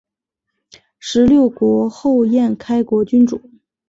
十六国后燕开国君主。